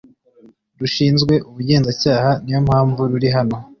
rushinzwe Ubugenzacyaha niyo mpamvu ruri hano